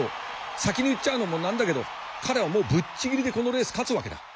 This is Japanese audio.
先に言っちゃうのもなんだけど彼はもうぶっちぎりでこのレース勝つわけだ！